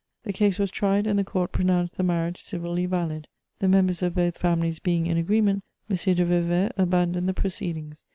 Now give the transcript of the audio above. The case was tried and the court pronounced the marriage civilly valid. The members of both families being in agreement, M. de Vauvert abandoned the proceedings.